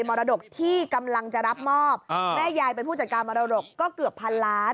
มรดกที่กำลังจะรับมอบแม่ยายเป็นผู้จัดการมรดกก็เกือบพันล้าน